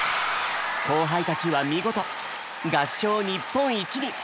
後輩たちは見事合唱日本一に！